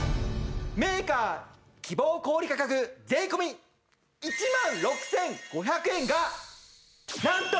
メーカー希望小売価格税込１万６５００円がなんと。